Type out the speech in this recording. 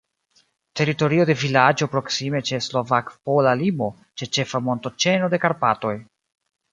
Teritorio de vilaĝo proksime ĉe slovak-pola limo, ĉe ĉefa montoĉeno de Karpatoj.